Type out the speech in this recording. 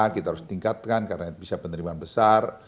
kita harus tingkatkan karena bisa penerimaan besar